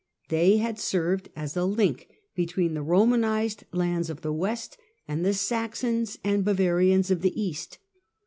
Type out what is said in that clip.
They had served as a link be |i iween the Romanised lands of the west and the Saxons ind Bavarians of the east.